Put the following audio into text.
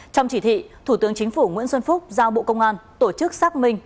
trong chỉ thị thủ tướng chính phủ nguyễn xuân phúc giao bộ công an tổ chức xác minh